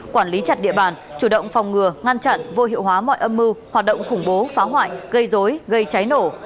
quản lý chặt địa bàn chủ động phòng ngừa ngăn chặn vô hiệu hóa mọi âm mưu hoạt động khủng bố phá hoại gây dối gây cháy nổ